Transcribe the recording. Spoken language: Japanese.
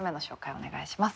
お願いします。